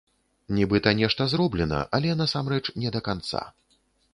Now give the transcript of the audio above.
Нібыта нешта зроблена, але насамрэч не да канца.